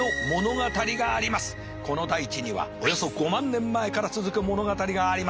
この大地にはおよそ５万年前から続く物語があります。